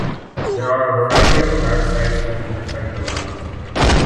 There are a variety of parasites which can affect the lungs.